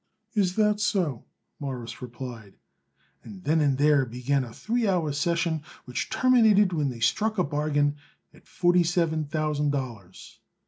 "Is that so?" Morris replied, and then and there began a three hours' session which terminated when they struck a bargain at forty seven thousand dollars.